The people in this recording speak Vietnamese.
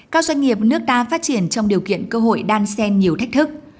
cao doanh nghiệp nước ta phát triển trong điều kiện cơ hội đan xen nhiều thách thức